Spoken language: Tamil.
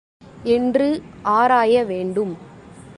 என்று ஆராய வேண்டும்.